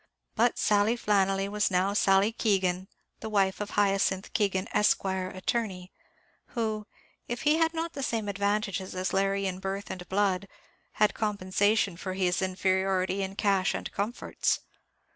But Sally Flannelly was now Sally Keegan, the wife of Hyacinth Keegan, Esq., Attorney; who, if he had not the same advantages as Larry in birth and blood, had compensation for his inferiority in cash and comforts.